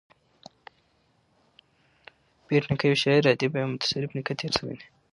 بېټ نیکه یو شاعر ادیب او یو متصرف نېکه تېر سوى دﺉ.